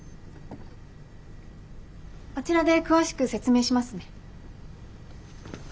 あちらで詳しく説明しますね。